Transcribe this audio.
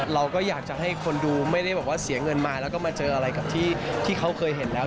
เราก็อยากจะให้คนดูไม่ได้บอกว่าเสียเงินมาแล้วก็มาเจออะไรกับที่เขาเคยเห็นแล้ว